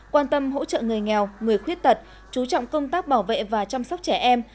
quan tâm hỗ trợ người nghèo người khuyết tật chú trọng công tác bảo vệ và chăm sóc trẻ em